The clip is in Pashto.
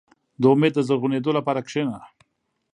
• د امید د زرغونېدو لپاره کښېنه.